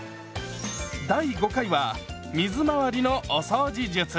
第５回は水回りのお掃除術！